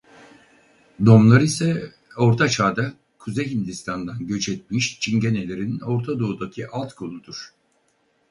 Domlar ise Orta Çağ'da Kuzey Hindistan'dan göç etmiş Çingenelerin Orta Doğu'daki alt koludur.